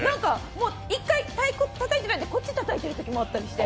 １回太鼓たたいてないでこっちたたいてるときもあったりして。